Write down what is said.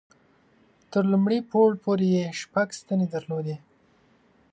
تر لومړي پوړ پورې یې شپږ ستنې درلودې.